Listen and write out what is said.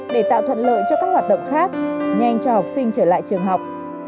để tạo thuận lợi cho các hoạt động khác nhanh cho học sinh trở lại trường học